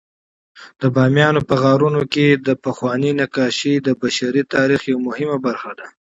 د بامیانو په غارونو کې پخواني نقاشۍ د بشري تاریخ یوه مهمه برخه ده.